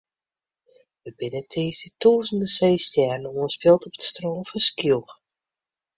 Der binne tiisdei tûzenen seestjerren oanspield op it strân fan Skylge.